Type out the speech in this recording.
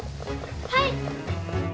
はい！